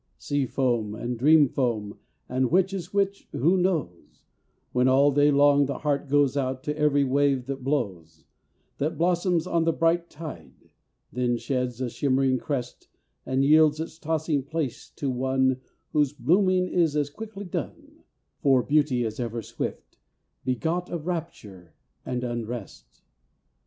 Sea foam, and dream foam, And which is which, who knows, When all day long the heart goes out To every wave that blows, That blossoms on the bright tide, Then sheds a shimmering crest And yields its tossing place to one Whose blooming is as quickly done For beauty is ever swift begot Of rapture and unrest.